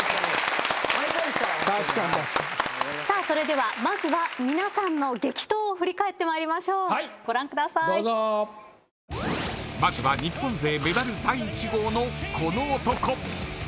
それでは、まずは皆さんの激闘を振り返ってまいりましょうまずは日本勢メダル第１号のこの男。